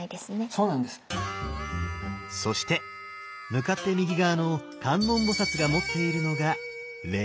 そして向かって右側の観音菩が持っているのが蓮華。